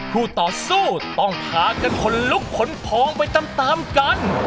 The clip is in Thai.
ต่อสู้ต้องพากันขนลุกขนพองไปตามกัน